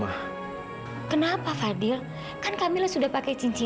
aduh kesel weapons gelar apaan kalau ada kapal nih